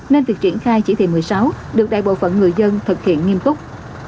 nên việc triển khai chỉ thị một mươi sáu được đại bộ phận người dân thực hiện nghiêm túc